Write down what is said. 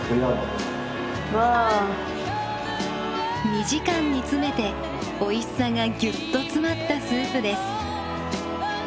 ２時間煮詰めておいしさがぎゅっと詰まったスープです。